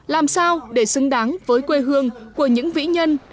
làm sao để xứng đáng với quê hương của những vĩ nhân